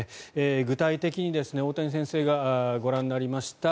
具体的に大谷先生がご覧になりました